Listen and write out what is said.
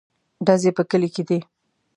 _ډزې په کلي کې دي.